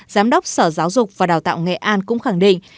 giám đốc sở giáo dục và đào tạo nghệ an cũng khẳng định